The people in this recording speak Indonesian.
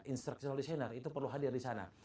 instructional designer itu perlu hadir di sana